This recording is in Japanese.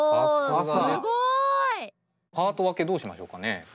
おすごい！パート分けどうしましょうかね？